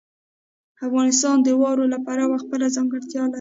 افغانستان د واورو له پلوه خپله ځانګړتیا لري.